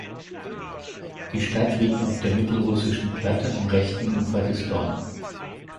Die Stadt liegt auf der Mittelrussischen Platte am rechten Ufer des Don.